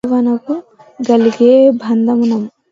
సింధువునకు గలిగె బంధనమ్ము